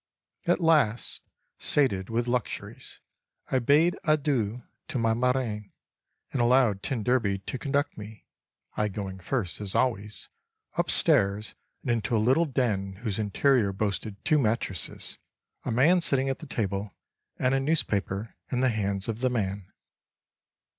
At last, sated with luxuries, I bade adieu to my marraine and allowed t d to conduct me (I going first, as always) upstairs and into a little den whose interior boasted two mattresses, a man sitting at the table, and a newspaper in the hands of the man.